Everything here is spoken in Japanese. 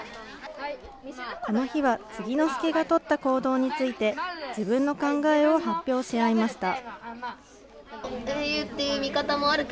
この日は継之助が取った行動について、自分の考えを発表し合いました。